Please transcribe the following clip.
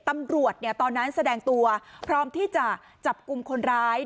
ตำรวจเนี้ยตอนนั้นแสดงตัวพร้อมที่จะจับกลุ่มคนร้าย